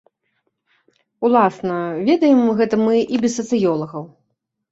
Уласна, ведаем гэта мы і без сацыёлагаў.